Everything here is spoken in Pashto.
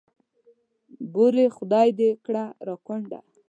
بورې خدای دې کړه را کونډه.